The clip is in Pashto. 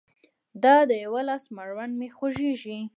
د دا يوه لاس مړوند مې خوږيږي